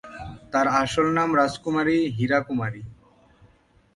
তার আসল নাম রাজকুমারী হীরা কুমারী।